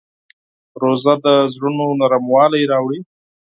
روژه د زړونو نرموالی راوړي.